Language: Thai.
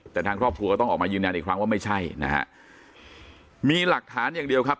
แต่ทางครอบครัวก็ต้องออกมายืนยันอีกครั้งว่าไม่ใช่นะฮะมีหลักฐานอย่างเดียวครับ